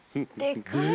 でかい。